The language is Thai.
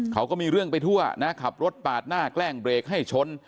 เขาก็มีเรื่องไปทั่วนะขับรถปาดหน้าแกล้งเบรกให้ชน